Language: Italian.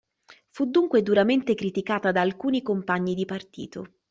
Fu dunque duramente criticata da alcuni compagni di partito.